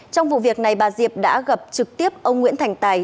trong vụ việc này bà diệp đã gặp trực tiếp ông nguyễn thành tài